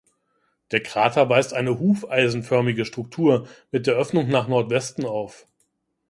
Der Krater weist eine hufeisenförmige Struktur mit der Öffnung nach Nordwesten auf.